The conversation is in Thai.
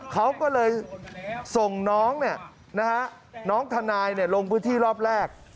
เขาก็เลยส่งน้องน้องทนายลงพื้นที่รอบแรก